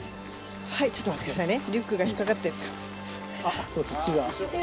はいちょっと待って下さいね。